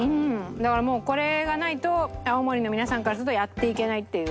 だからもうこれがないと青森の皆さんからするとやっていけないっていう。